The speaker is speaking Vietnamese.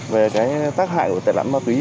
về tác hại của tải lãm ma túy